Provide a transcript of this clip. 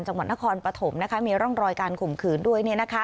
จังหวัดนครปฐมนะคะมีร่องรอยการข่มขืนด้วยเนี่ยนะคะ